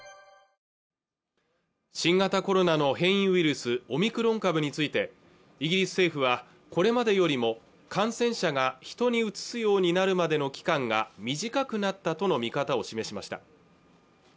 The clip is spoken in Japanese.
スオミクロン株についてイギリス政府はこれまでよりも感染者が人にうつすようになるまでの期間が短くなったとの見方を示しました